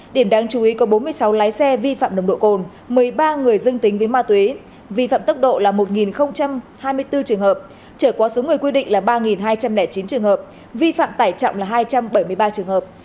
điểm đáng chú ý có bốn mươi sáu lái xe vi phạm nồng độ cồn một mươi ba người dương tính với ma túy vi phạm tốc độ là một hai mươi bốn trường hợp trở quá số người quy định là ba hai trăm linh chín trường hợp vi phạm tải trọng là hai trăm bảy mươi ba trường hợp